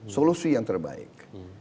solusi yang terbaik